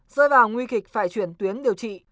rơi vào nguy kịch phải chuyển tuyến điều trị